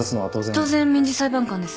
当然民事裁判官です。